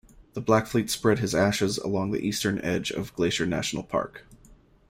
The Blackfeet spread his ashes along the eastern edge of Glacier National Park.